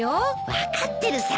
分かってるさ。